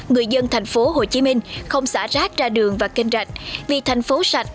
người dân thành phố hồ chí minh không xả rác ra đường và kênh rạch vì thành phố sạch